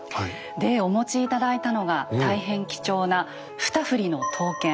でお持ち頂いたのが大変貴重な二振の刀剣。